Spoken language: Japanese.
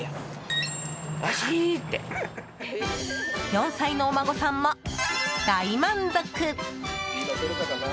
４歳のお孫さんも、大満足！